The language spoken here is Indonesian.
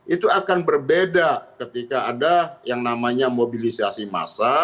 itu akan berbeda ketika ada yang namanya mobilisasi massa